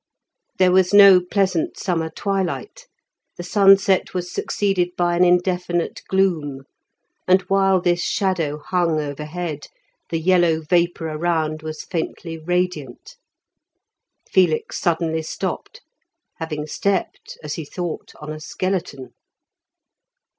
There was no pleasant summer twilight; the sunset was succeeded by an indefinite gloom, and while this shadow hung overhead the yellow vapour around was faintly radiant. Felix suddenly stopped, having stepped, as he thought, on a skeleton.